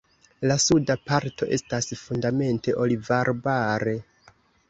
La suda parto estas fundamente olivarbare.